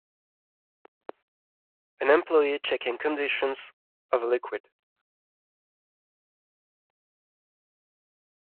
An employee checking conditions of a liquid.